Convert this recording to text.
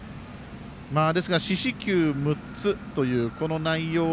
ですが、四死球６つというこの内容。